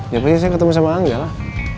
ya pasti saya ketemu sama angga lah